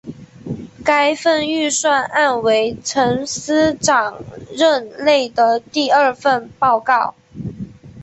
该份预算案为曾司长任内的第二份报告。